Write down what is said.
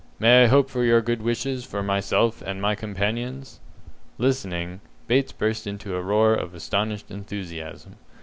May I hope for your good wishes for myself and my companions?" Listening, Bates burst into a roar of astonished enthusiasm.